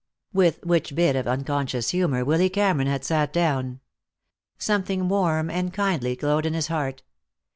With which bit of unconscious humor Willy Cameron had sat down. Something warm and kindly glowed in his heart.